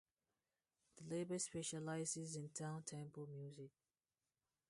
The label specializes in downtempo music.